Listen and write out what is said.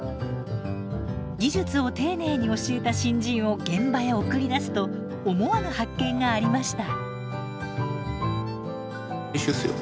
技術を丁寧に教えた新人を現場へ送り出すと思わぬ発見がありました。